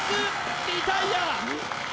リタイア